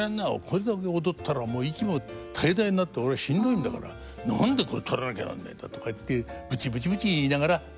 これだけ踊ったら息も絶え絶えになって俺はしんどいんだから何でこれ取らなきゃなんねえんだ」とかってブチブチブチ言いながら取ってくれたんです。